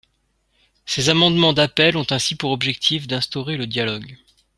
Ces amendements d’appel ont ainsi pour objectif d’instaurer le dialogue.